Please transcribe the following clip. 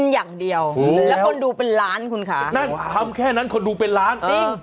อย่างเดียวแล้วคนดูเป็นล้านคุณค่ะนั่นทำแค่นั้นคนดูเป็นล้านจริง